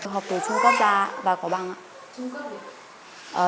học từ trung cấp già và có bằng ạ